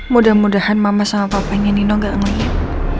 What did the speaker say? mudah mudahan mama sama papanya nino gak melihat